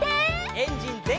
エンジンぜんかい！